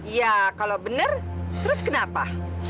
iya kalau benar terus kenapa